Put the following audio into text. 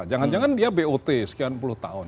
jangan jangan dia bot sekian puluh tahun